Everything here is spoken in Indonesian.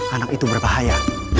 anak itu berbahaya